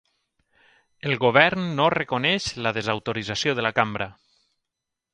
El Govern no reconeix la desautorització de la cambra.